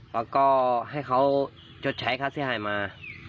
แล้วก็ให้เขาชดใช้ค่าเสียหายมา